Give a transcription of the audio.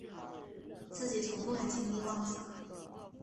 自己从不敢轻易妄想